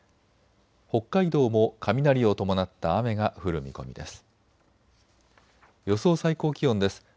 北海道も雷を伴った雨が降る見込みです。